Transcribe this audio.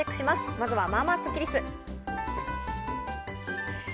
まずは、まあまあスッキりす。